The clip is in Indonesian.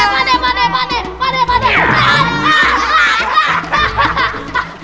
pak d pak d pak d pak d